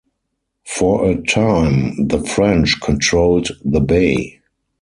For a time, the French controlled the bay.